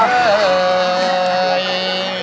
หนี